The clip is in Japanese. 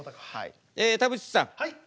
え田渕さん